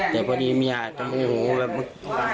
แต่พอดีเมียต้องโอ้โฮแบบ